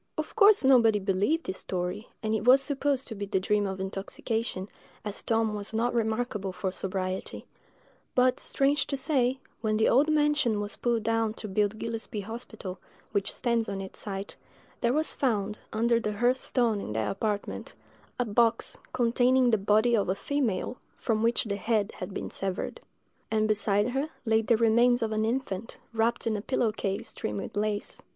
Of course nobody believed this story, and it was supposed to be the dream of intoxication, as Tom was not remarkable for sobriety; but, strange to say, when the old mansion was pulled down to build Gillespie's hospital, which stands on its site, there was found, under the hearth stone in that apartment, a box containing the body of a female, from which the head had been severed; and beside her lay the remains of an infant, wrapped in a pillow case trimmed with lace.